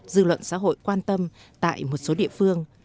dư luận xã hội quan tâm tại một số địa phương